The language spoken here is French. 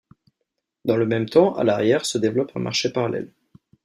Dans le même temps, à l’arrière, se développe un marché parallèle.